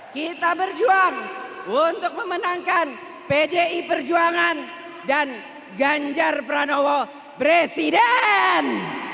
kita berjuang untuk memenangkan pdi perjuangan dan ganjar pranowo presiden